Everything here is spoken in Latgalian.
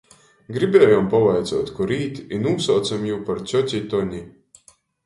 Gribiejom pavaicuot, kur īt, i nūsaucem jū par cjoci Toni.